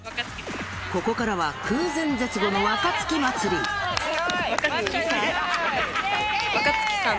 ここからは空前絶後の若槻祭若槻さん。